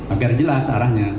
agar jelas arahnya